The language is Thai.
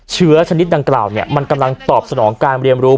ชนิดดังกล่าวเนี่ยมันกำลังตอบสนองการเรียนรู้